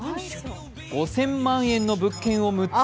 ５０００万円の物件を６つ？